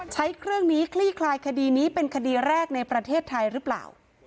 ใช้เครื่องนี้คลี่คลายคดีนี้เป็นคดีแรกในประเทศไทยหรือเปล่า